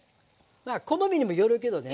まあ好みにもよるけどね。